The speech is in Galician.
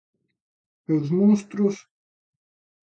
E os monstros.